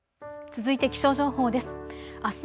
続いて気象情報です。